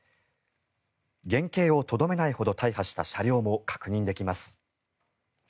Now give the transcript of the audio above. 原形をとどめないほど大破した車両も確認できます。